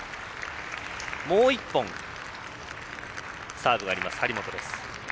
もう１本、サーブがある張本です。